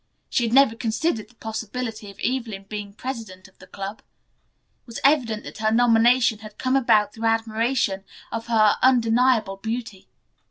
She had never considered the possibility of Evelyn being president of the club. It was evident that her nomination had come about through admiration of her undeniable beauty.